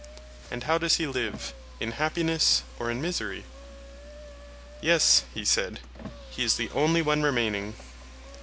and how does he live, in happiness or in misery? Yes, he said, he is the only one remaining.